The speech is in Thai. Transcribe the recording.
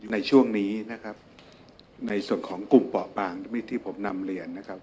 ในช่วงนี้นะครับในส่วนของกลุ่มเปาะปางที่ผมนำเรียนนะครับ